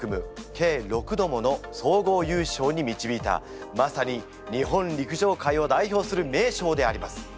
計６度もの総合優勝に導いたまさに日本陸上界を代表する名将であります。